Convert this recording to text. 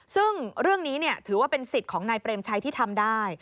ซึ่งเรื่องนี้ถือว่าเป็นสิทธิ์ของนายเปรมชัยที่ทำได้